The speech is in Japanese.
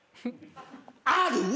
ある！？